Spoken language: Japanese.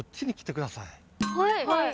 はい。